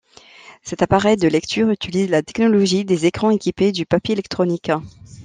Cet appareil de lecture utilise la technologie des écrans équipés du papier électronique.